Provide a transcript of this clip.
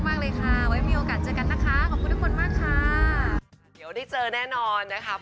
แล้วก็แก้มอีกก็จะตั้งใจแล้วก็ประสาทตัวอีกต่อไปนะคะ